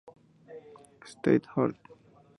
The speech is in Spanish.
State Hort.